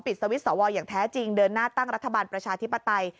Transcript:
สวิตช์สวอย่างแท้จริงเดินหน้าตั้งรัฐบาลประชาธิปไตย